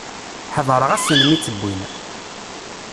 Ḥeḍreɣ ass-en mi tt-wwin.